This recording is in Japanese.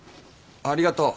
ありがとう。